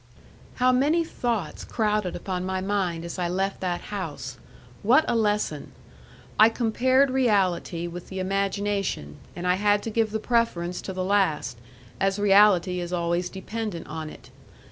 How many thoughts crowded upon my mind as I left that house! What a lesson! I compared reality with the imagination, and I had to give the preference to the last, as reality is always dependent on it.